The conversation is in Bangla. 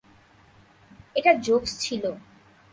এটা জোকস ছিল।